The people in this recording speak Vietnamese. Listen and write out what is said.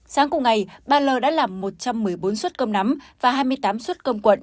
sáng cùng ngày bà l đã làm một trăm một mươi bốn suất cơm nắm và hai mươi tám suất cơm cuộn